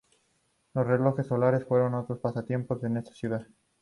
Los relojes solares fueron otro pasatiempo en esta ciudad.